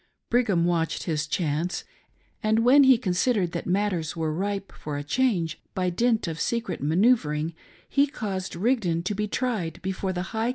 Brigham watched his chance, and when he considered that matters were ripe for a change, by dint of secret manoeuver ing, he caused Rigdon to be tried before the " High.